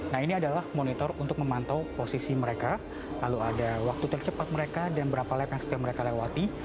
nah ini adalah monitor untuk memantau posisi mereka lalu ada waktu tercepat mereka dan berapa lab yang setiap mereka lewati